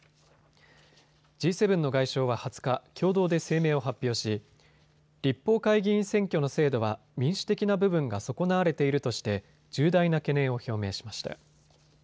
Ｇ７の外相は２０日、共同で声明を発表し立法会議員選挙の制度は民主的な部分が損なわれているとして重大な懸念を表明しました。